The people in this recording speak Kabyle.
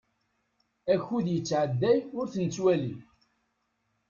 Akud yettɛedday ur t-nettwali.